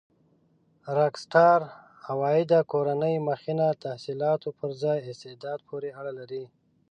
راک سټار عوایده کورنۍ مخینه تحصيلاتو پر ځای استعداد پورې اړه لري.